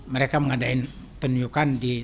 mereka mengadakan penyukan